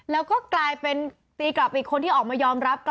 แล้วก็กลายเป็นตีกลับอีกคนที่ออกมายอมรับ